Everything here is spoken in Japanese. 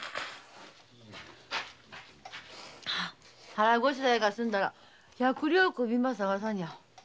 腹ごしらえが済んだら百両首ば捜さにゃ。